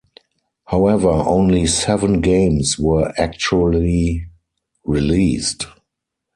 However, only seven games were actually released.